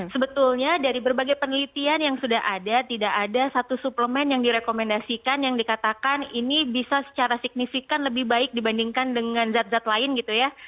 sebetulnya dari berbagai penelitian yang sudah ada tidak ada satu suplemen yang direkomendasikan yang dikatakan ini bisa secara signifikan lebih baik dibandingkan dengan zat zat lain gitu ya